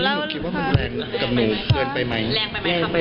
หนูคิดว่ามันแรงกับหนูเกินไปไหม